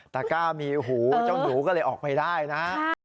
ตะก้ามีหูเจ้าหนูก็เลยออกไปได้นะฮะ